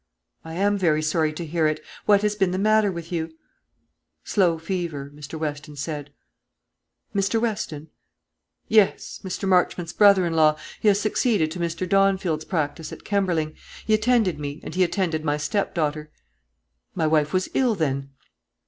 "I am very sorry to hear it. What has been the matter with you?" "Slow fever, Mr. Weston said." "Mr. Weston?" "Yes; Mr. Marchmont's brother in law. He has succeeded to Mr. Dawnfield's practice at Kemberling. He attended me, and he attended my step daughter." "My wife was ill, then?"